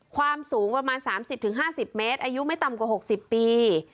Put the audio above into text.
ความสูงประมาณสามสิบถึงห้าสิบเมตรอายุไม่ต่ำกว่าหกสิบปี